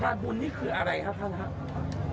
บุญนี่คืออะไรครับท่านครับ